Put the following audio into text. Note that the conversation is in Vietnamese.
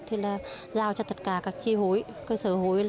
như là giao cho các tri hối cơ sở hối